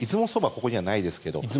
ここにはないですが。